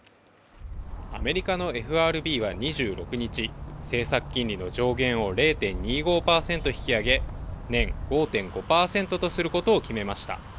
アメリカのＦＲＢは２６日政策金利の上限を０．２５％引き上げ年５．５％とすることを決めました